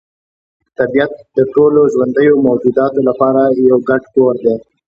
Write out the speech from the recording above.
طبیعت د ټولو ژوندیو موجوداتو لپاره یو ګډ کور دی.